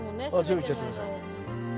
全部いっちゃって下さい。